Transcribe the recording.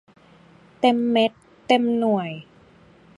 เต็มเม็ดเต็มหน่วย